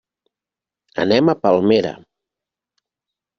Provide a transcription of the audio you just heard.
Anem a Palmera.